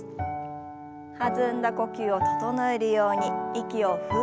弾んだ呼吸を整えるように息をふっと吐き出しながら。